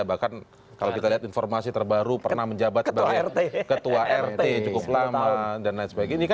bahkan kalau kita lihat informasi terbaru pernah menjabat sebagai ketua rt cukup lama dan lain sebagainya